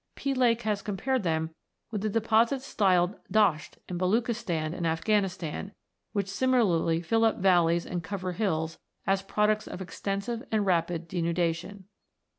P. Lake (39) has compared them with the deposits styled dasht in Baluchistan and Afghani stan, which similarly fill up valleys and cover hills, as products of extensive and rapid denudation.